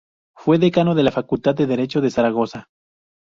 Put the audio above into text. Fue decano de la facultad de Derecho de Zaragoza.